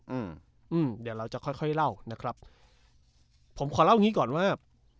อืมอืมเดี๋ยวเราจะค่อยค่อยเล่านะครับผมขอเล่าอย่างงี้ก่อนว่า